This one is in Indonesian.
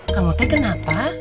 kamu teh kenapa